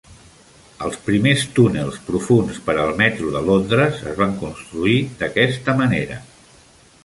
Els primers túnels profunds per al metro de Londres es van construir d'aquesta manera.